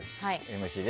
ＭＣで。